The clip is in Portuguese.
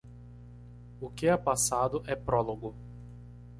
O que é passado é prólogo